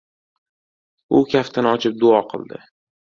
U kaftini ochib duo qildi.